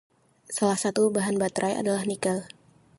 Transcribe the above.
Salah satu bahan baterai adalah nikel.